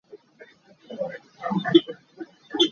Na thiam a khung tuk.